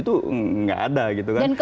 itu tidak ada